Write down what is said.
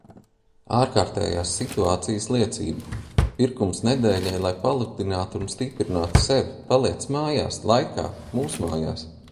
Ārkārtējās situācijas liecība. Pirkums nedēļai, lai palutinātu un stiprinātu sevi paliec mājās laikā mūsmājās.